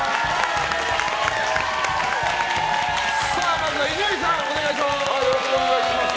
まずは伊集院さん、お願いします。